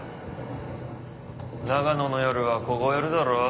長野の夜は凍えるだろ？